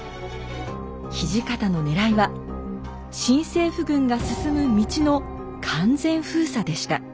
土方のねらいは新政府軍が進む道の完全封鎖でした。